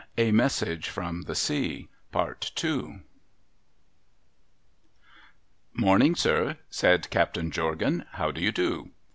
240 A MESSAGE FROM THE SEA ' .Moniini;, sir !' said Captain Jorgan. ' How do you do?'